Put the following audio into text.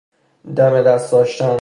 دم دست داشتن